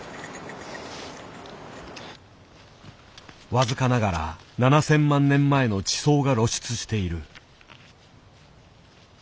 僅かながら７，０００万年前の地層が露出している。